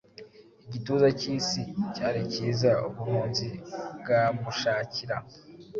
Igituza cyisi cyari cyiza ubuhunzi bwamushakira